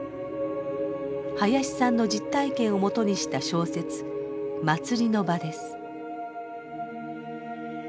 林さんの実体験をもとにした小説「祭りの場」です。